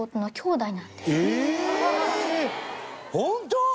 本当？